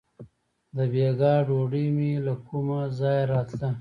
• د بېګا ډوډۍ مې له کومه ځایه راتله.